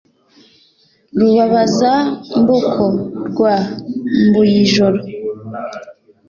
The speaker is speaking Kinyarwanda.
rubabaza-mbuko rwa mbuyijoro,